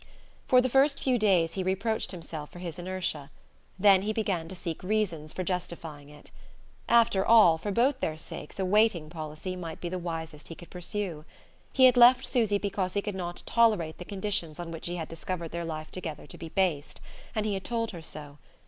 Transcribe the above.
For the first few days he reproached himself for his inertia; then he began to seek reasons for justifying it. After all, for both their sakes a waiting policy might be the wisest he could pursue. He had left Susy because he could not tolerate the conditions on which he had discovered their life together to be based; and he had told her so.